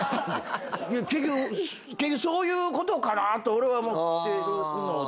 結局そういうことかなって俺は思ってるのだけどね。